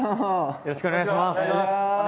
よろしくお願いします。